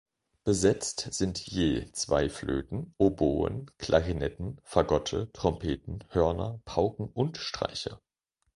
Besetzt sind je zwei Flöten, Oboen, Klarinetten, Fagotte, Trompeten, Hörner, Pauken und Streicher.